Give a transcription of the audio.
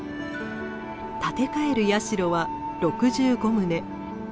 建て替える社は６５棟。